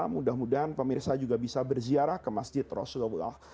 mudah mudahan pemirsa juga bisa berziarah ke masjid rasulullah